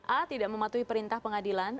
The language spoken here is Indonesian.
a tidak mematuhi perintah pengadilan